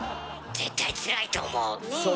絶対つらいと思う！